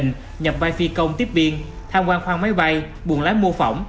nhập vai phi công tiếp viên tham quan khoang máy bay buồn lái mô phỏng